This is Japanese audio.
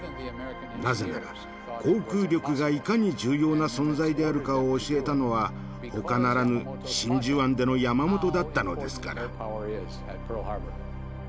なぜなら航空力がいかに重要な存在であるかを教えたのは他ならぬ真珠湾での山本だったのですから。